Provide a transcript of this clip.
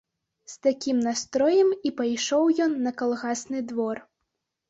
З такім настроем і пайшоў ён на калгасны двор.